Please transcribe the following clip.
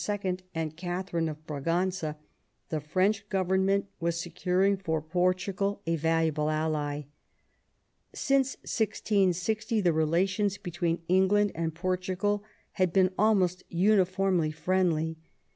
and Katharine of Braganza the French government was securing for Portugal a valuable ally. Since 1660 the relations between England and Portugal had been almost uniformly friendly.